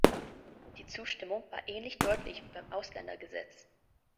Die Zustimmung war ähnlich deutlich wie beim Ausländergesetz.